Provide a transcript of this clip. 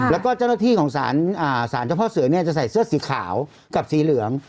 แล้วก็เจ้าหน้าที่ของสารเจ้าพ่อเสือจะใส่เสื้อสีขาวกับสีเหลือง